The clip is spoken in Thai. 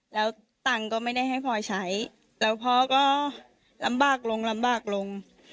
แล้วตังค์ก็ไม่ได้ให้พ่อใช้แล้วพ่อก็ลำบากลงลำบากลง